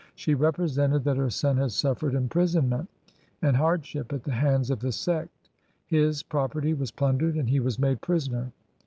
She repre sented that her son had suffered imprisonment and hardship at the hands of the sect. His property was plundered, and he was made prisoner.